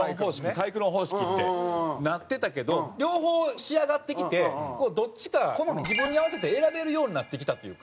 サイクロン方式ってなってたけど両方仕上がってきてどっちか自分に合わせて選べるようになってきたというか。